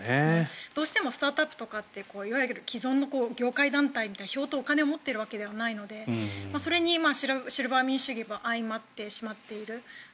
どうしてもスタートアップとかっていわゆる既存の業界団体みたいに票とお金を持ってるわけではないのでそれにシルバー民主主義も相まってしまっている。